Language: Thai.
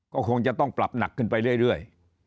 ก็คงจะต้องปรับหนักขึ้นไปเรื่อย